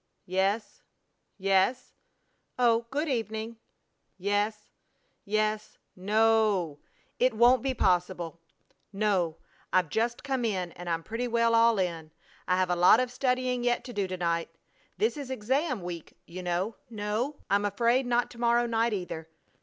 Yes!... Yes!... Oh! Good evening!... Yes.... Yes.... No o o it won't be possible!... No, I've just come in and I'm pretty well 'all in.' I have a lot of studying yet to do to night. This is exam. week, you know.... No, I'm afraid not to morrow night either....